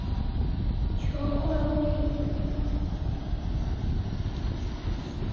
球会于维拉勒若区交界处租用一块土地建立新主场。